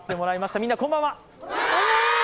みんな、こんばんは！